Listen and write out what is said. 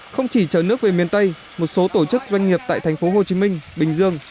không chỉ chở nước về miền tây một số tổ chức doanh nghiệp tại thành phố hồ chí minh bình dương